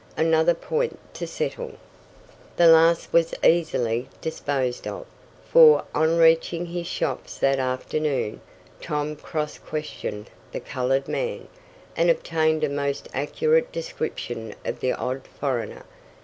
Another point to settle." The last was easily disposed of, for, on reaching his shops that afternoon, Tom cross questioned the colored man, and obtained a most accurate description of the odd foreigner.